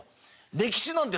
歴史なんて。